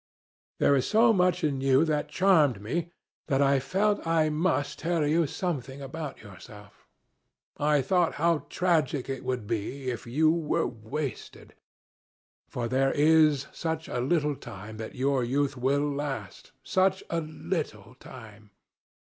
There was so much in you that charmed me that I felt I must tell you something about yourself. I thought how tragic it would be if you were wasted. For there is such a little time that your youth will last—such a little time.